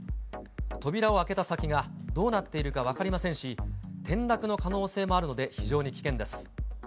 扉を開けた先がどうなっているか分かりませんし、転落の可能性もあるので非常に危険です。